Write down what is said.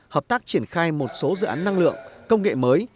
hợp tác triển khai một số dự án năng lượng công nghệ mới